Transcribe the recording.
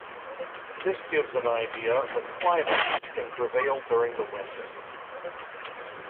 This gives an idea of the climate which can prevail during the winter.